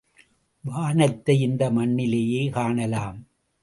வானத்தை இந்த மண்ணிலேயே காணலாம்.